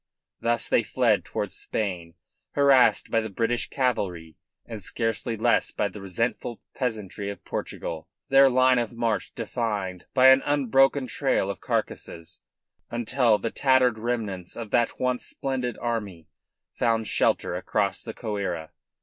Thus they fled towards Spain, harassed by the British cavalry and scarcely less by the resentful peasantry of Portugal, their line of march defined by an unbroken trail of carcasses, until the tattered remnants of that once splendid army found shelter across the Coira.